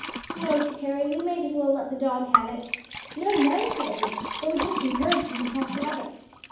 "No," said Harry, "we might as well let the dog have it." "No, no!" said Eddie, "it would just encourage him to catch another."